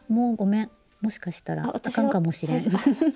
もしかしたらあかんかもしれん。